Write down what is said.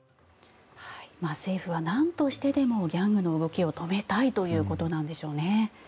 政府はなんとしてでもギャングの動きを止めたいということなんでしょうね。